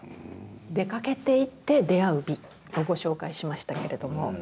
「出かけていって出会う美」をご紹介しましたけれども。